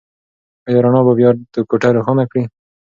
ایا رڼا به بيا دا کوټه روښانه کړي؟